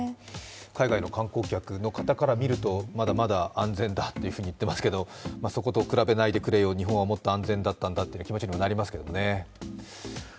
海外の観光客の方から見るとまだまだ安全だと言っていますけどそこと比べないでくれよ、日本はもっと安全だったんだという気持ちにもなりますけどね。